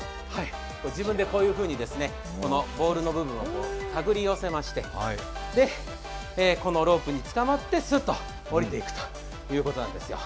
自分でこういうふうにボールの部分を手ぐり寄せまして、このロープにつかまって、スッと下りていくということなんですよ。